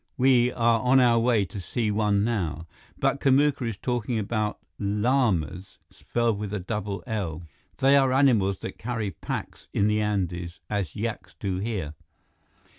We are on our way to see one now. But Kamuka is talking about llamas, spelled with a double 'l.' They are animals that carry packs in the Andes, as yaks do here."